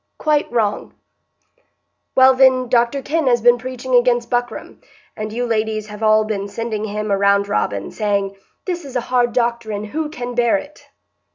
"Quite wrong." "Well, then, Dr Kenn has been preaching against buckram, and you ladies have all been sending him a roundrobin, saying, 'This is a hard doctrine; who can bear it?